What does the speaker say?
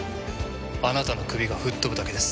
「あなたの首が吹っ飛ぶだけです」